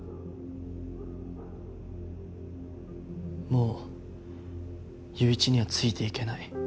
もう友一にはついていけない。